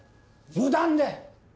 無断で！